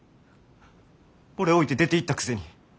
俺置いて出ていったくせに。